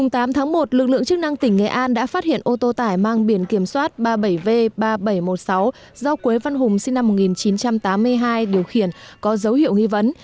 ngày tám tháng một lực lượng chức năng tỉnh nghệ an đã phát hiện ô tô tải mang biển kiểm soát ba mươi bảy v ba nghìn bảy trăm một mươi sáu do quế văn hùng sinh năm một nghìn chín trăm tám mươi hai điều khiển có dấu hiệu nghi vấn